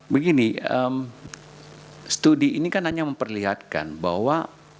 begini studi ini kan hanya memperlihatkan bahwa